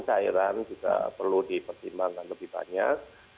cairan juga perlu dipertimbangkan lebih banyak